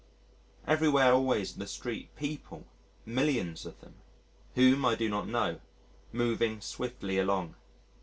Everywhere always in the street people millions of them whom I do not know, moving swiftly along.